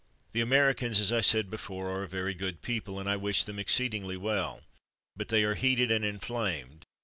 The Americans, as I said before, are a very good people, and I wish them exceedingly well; but they are heated and inflamed.